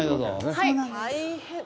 はい。